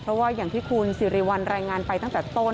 เพราะว่าอย่างที่คุณสิริวัลรายงานไปตั้งแต่ต้น